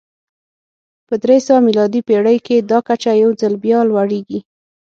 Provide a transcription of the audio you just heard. په درې سوه میلادي پېړۍ کې دا کچه یو ځل بیا لوړېږي